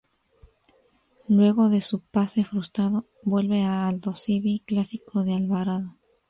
Luego de su pase frustrado, vuelve a Aldosivi, clásico de Alvarado.